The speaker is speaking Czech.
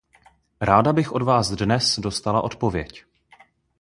Ráda bych od vás dnes dostala odpověď.